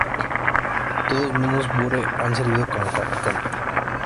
Todos menos Bure han servido como capitán.